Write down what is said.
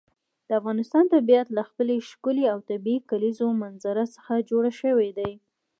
د افغانستان طبیعت له خپلې ښکلې او طبیعي کلیزو منظره څخه جوړ شوی دی.